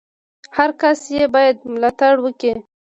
هر کس ئې بايد ملاتړ وکي!